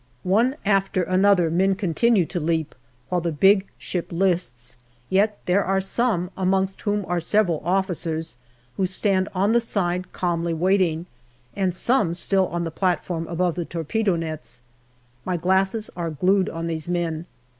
One after the other men continue to leap, while the big ship lists; yet there are some, amongst whom are several officers, who stand on the side calmly waiting, and some still on the platform above the torpedo nets. My glasses are glued on these men.